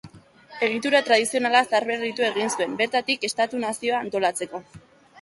Egitura tradizionala zaharberritu egin zuen, bertatik estatu-nazioa antolatzeko.